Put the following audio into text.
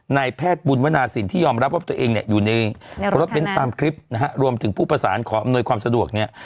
นายแพทย์บุญวนาสินที่ยอมรับว่าตัวเองเนี่ยอยู่ในรถเน้นตามคลิปนะฮะรวมถึงผู้ประสานขออำนวยความสะดวกเนี่ย